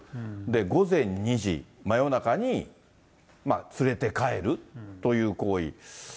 午前２時、真夜中に連れて帰るという行為。